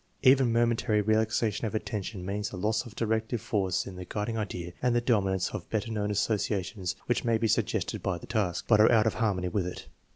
Even momentary relaxation of attention means a loss of directive force in the guiding idea and the domi nance of better known associations wticli may be suggested by the task, but are out of harmony with it.